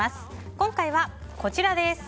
今回は、こちらです。